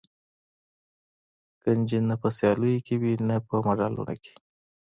کنجي نه په سیالیو کې وي او نه په مډالونه کې.